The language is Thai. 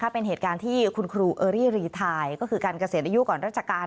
เป็นเหตุการณ์ที่คุณครูเออรี่รีไทยก็คือการเกษียณอายุก่อนราชการ